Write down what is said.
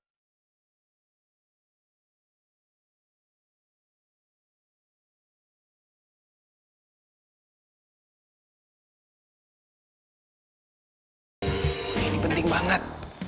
ini penting banget